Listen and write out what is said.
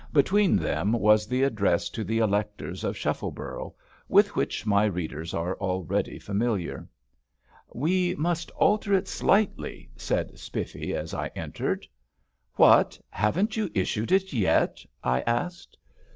Between them was the address to the electors of Shuffleborough, with which my readers are already familiar. "We must alter it slightly," said Spiffy as I entered. "What! haven't you issued it yet?" I asked.